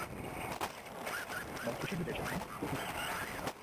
মন্ত্রীসাহেব এসেছেন, তো কী করবো?